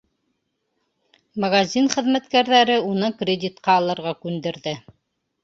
Магазин хеҙмәткәрҙәре уны кредитҡа алырға күндерҙе.